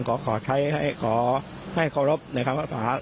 ก็ขอใช้ให้ขอให้โรปในความวาบสาร